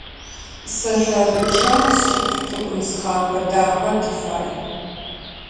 Сэ лъэрычъэ, сшыпхъу цӏыкӏу нысхъапэ дахэ тыфай.